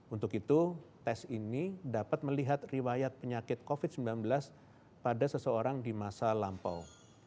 untuk itu tes ini dapat melihat riwayat penyakit covid sembilan belas pada seseorang di masa lampau